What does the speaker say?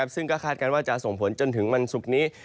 ซึ่งก็คาดการณ์ว่าจะส่งผลจนถึงวันศุกร์นี้